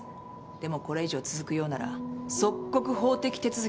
でもこれ以上続くようなら即刻法的手続きをとるわ。